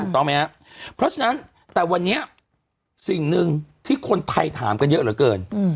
ต้องไหมครับเพราะฉะนั้นแต่วันนี้สิ่งหนึ่งที่คนไทยถามกันเยอะเหลือเกิน